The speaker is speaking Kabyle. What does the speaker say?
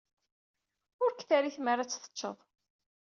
Ur k-terri tmara ad t-tecceḍ.